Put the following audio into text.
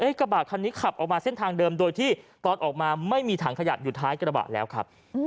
กระบะคันนี้ขับออกมาเส้นทางเดิมโดยที่ตอนออกมาไม่มีถังขยะอยู่ท้ายกระบะแล้วครับ